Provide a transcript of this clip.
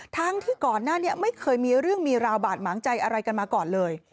ทั้งที่ก่อนหน้านี้ไม่เคยมีเรื่องมีราวบาดหมางใจอะไรกันมาก่อนเลย